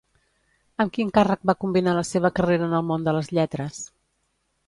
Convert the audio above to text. Amb quin càrrec va combinar la seva carrera en el món de les lletres?